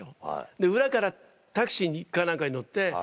で裏からタクシーか何かに乗って。